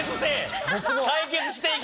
解決していけ！